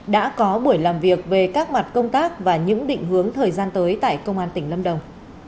đã có buổi làm việc về các mặt công tác và những định hướng thời gian tới tại công an tỉnh lâm đồng